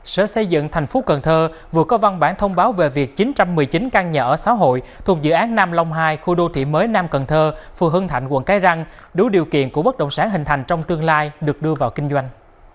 sở xây dựng thành phố cần thơ vừa có văn bản thông báo về việc chín trăm một mươi chín căn nhà ở xã hội thuộc dự án nam long hai khu đô thị mới nam cần thơ phù hưng thạnh quận cái răng đủ điều kiện của bất động sản hình thành trong tương lai được đưa vào kinh doanh